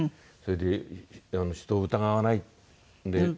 それで人を疑わないんで。